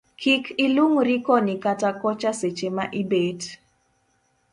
Kik ilung'ri koni kata kocha seche ma ibet